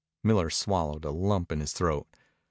Miller swallowed a lump in his throat.